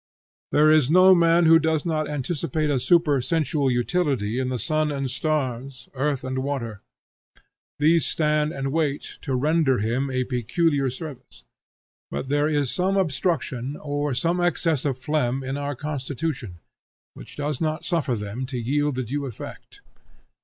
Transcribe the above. There is no man who does not anticipate a supersensual utility in the sun and stars, earth and water. These stand and wait to render him a peculiar service. But there is some obstruction or some excess of phlegm in our constitution, which does not suffer them to yield the due effect.